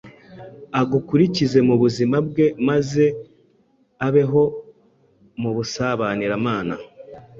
agukurikize mu buzima bwe maze abeho mu busabaniramana.